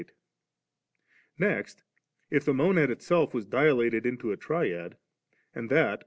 Next, if the Monad itself was dilated into a Triad, and that.